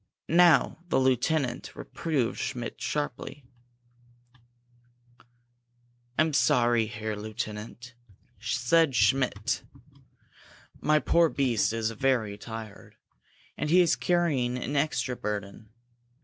Now the lieutenant reproved Schmidt sharply. "I'm sorry, Herr Lieutenant," said Schmidt. "My poor beast is very tired, and he is carrying an extra burden.